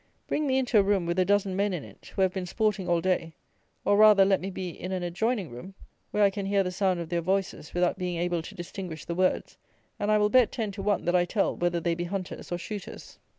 Bring me into a room, with a dozen men in it, who have been sporting all day; or, rather let me be in an adjoining room, where I can hear the sound of their voices, without being able to distinguish the words, and I will bet ten to one that I tell whether they be hunters or shooters.